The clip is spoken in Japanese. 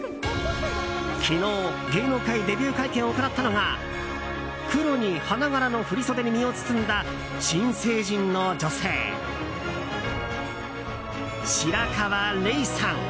昨日、芸能界デビュー会見を行ったのが黒に花柄の振り袖に身を包んだ新成人の女性、白河れいさん。